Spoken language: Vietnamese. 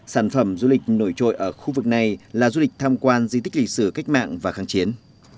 sản phẩm du lịch nổi trội ở khu vực này là du lịch tham quan di tích lịch sử cách mạng và kháng chiến